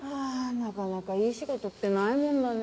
なかなかいい仕事ってないもんだねえ。